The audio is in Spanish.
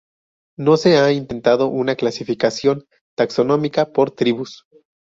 No se ha intentado una clasificación taxonómica por tribus.